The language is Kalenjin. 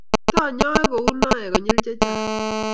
Taanyoe kuunoe konyil chechang